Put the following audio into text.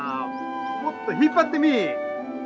もっと引っ張ってみ。